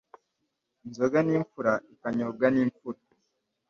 Inzoga ni imfura ikanyobwa n’imfura